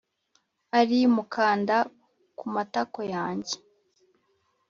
ari mukanda kumatako yanjye,